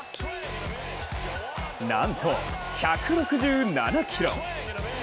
なんと１６７キロ。